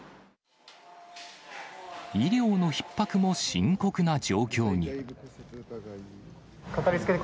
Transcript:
医療のひっ迫も深刻な状況に。